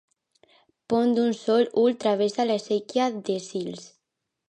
Pont d'un sol ull que travessa la séquia de Sils.